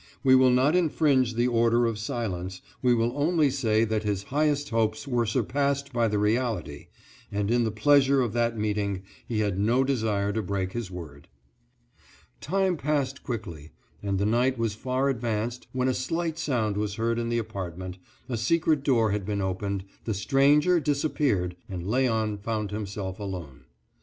We will not infringe the order of silence; we will only say that his highest hopes were surpassed by the reality, and in the pleasure of that meeting he had no desire to break his word. Time passed quickly, and the night was far advanced when a slight sound was heard in the apartment; a secret door had been opened, the stranger disappeared, and Léon found himself alone.